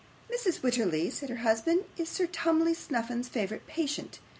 'Mrs. Wititterly,' said her husband, 'is Sir Tumley Snuffim's favourite patient.